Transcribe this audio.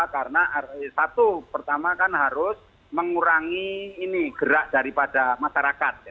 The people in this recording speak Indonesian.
karena satu pertama kan harus mengurangi ini gerak daripada masyarakat